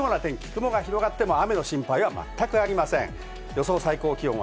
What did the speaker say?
雲が広がっても雨の心配はありません。